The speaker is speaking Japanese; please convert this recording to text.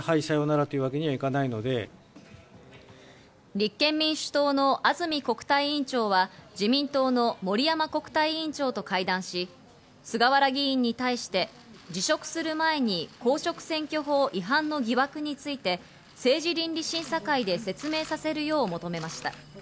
立憲民主党の安住国対委員長は、自民党の森山国対委員長と会談し、菅原議員に対して辞職する前に公職選挙法違反の疑惑について、政治倫理審査会で説明させるよう求めました。